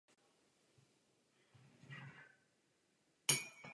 Ale tato zvěst se šířila v jiných kruzích.